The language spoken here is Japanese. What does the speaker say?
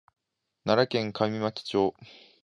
奈良県上牧町